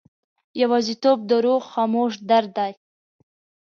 یوازیتوب د روح خاموش درد دی.